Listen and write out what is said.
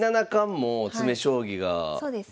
そうですね。